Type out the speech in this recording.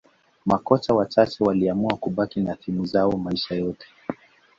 makocha wachache waliamua kubaki na timu zao maisha yote